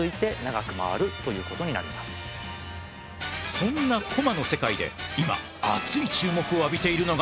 そんなコマの世界で今熱い注目を浴びているのが。